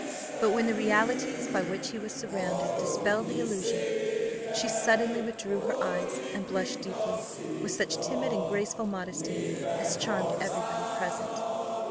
But when the realities by which he was surrounded dispelled the illusion, she suddenly withdrew her eyes, and blushed deeply, with such timid and graceful modesty as charmed every body present.